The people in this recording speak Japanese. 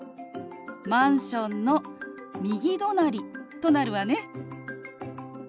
「マンションの右隣」となるわね。